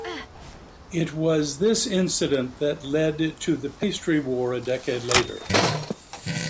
It was this incident that lead to the Pastry War a decade later.